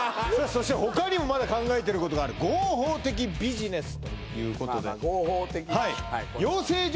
そして他にもまだ考えていることがある合法的ビジネスということではい養成所